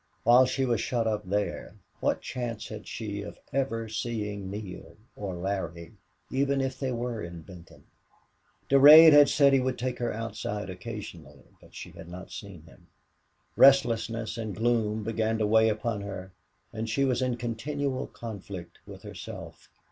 While she was shut up there, what chance had she of ever seeing Neale or Larry even if they were in Benton? Durade had said he would take her outdoors occasionally, but she had not seen him. Restlessness and gloom began to weigh upon her and she was in continual conflict with herself.